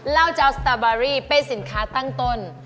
เราจะเอาสตาบารี่เป็นสินค้าตั้งต้น